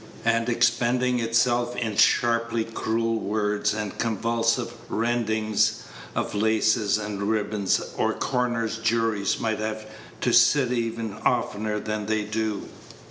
and expending itself in sharply cruel words, and convulsive rendings of laces and ribbons, or coroners' juries might have to sit even oftener than they do.